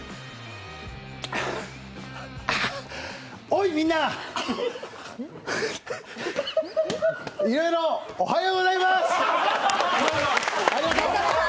おい、みんないろいろおはようございます！